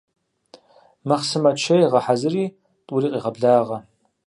Махъсымэ чей гъэхьэзыри, тӏури къегъэблагъэ.